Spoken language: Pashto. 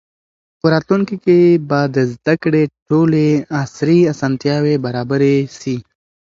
په راتلونکي کې به د زده کړې ټولې عصري اسانتیاوې برابرې سي.